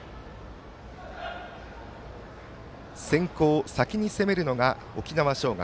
先攻、先に攻めるのが沖縄尚学。